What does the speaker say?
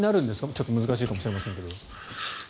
ちょっと難しいかもしれませんが。